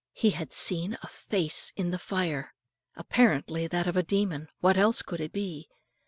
He had seen a face in the fire, apparently that of a demon what else could it be?